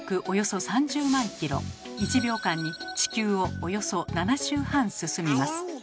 およそ３０万ｋｍ１秒間に地球をおよそ７周半進みます。